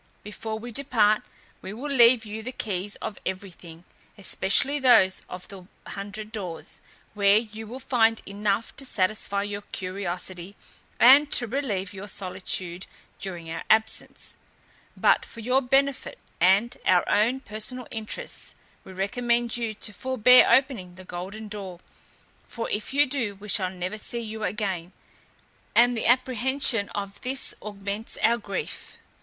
Before we depart we will leave you the keys of everything, especially those of the hundred doors, where you will find enough to satisfy your curiosity, and to relieve your solitude during our absence. But for your benefit, and our own personal interests, we recommend you to forbear opening the golden door; for if you do we shall never see you again; and the apprehension of this augments our grief.